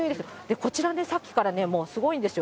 こちらね、さっきからね、もうすごいんですよ。